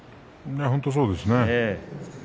本当にそうですね。